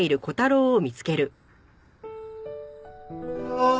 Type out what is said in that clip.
ああ！